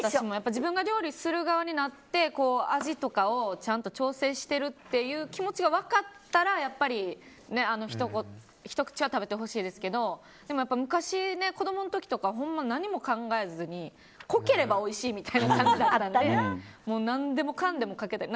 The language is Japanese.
自分が料理する側になって味とかをちゃんと調整してるという気持ちが分かったらやっぱりひと口は食べてほしいですけど昔、子供の時とかほんま何も考えずに濃ければおいしいみたいな感じだったから何でもかんでもかけて。